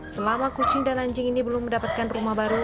selama kucing dan anjing ini belum mendapatkan rumah baru